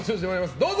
どうぞ！